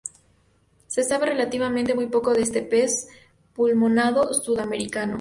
Se sabe relativamente poco acerca de este pez pulmonado sudamericano.